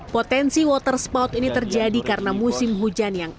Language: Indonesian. potensi water spout ini terjadi karena musim hujan yang